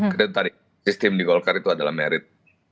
kita tarik sistem di golkar itu adalah merit